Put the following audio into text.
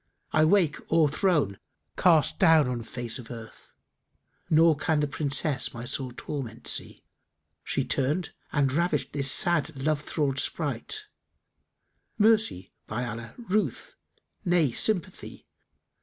I wake o'erthrown, castdown on face of earth * Nor can the Princess[FN#288] my sore torment see. She turned and ravished this sad Love thrall'd sprite; * Mercy, by Allah, ruth; nay, sympathy!